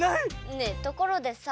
ねえところでさ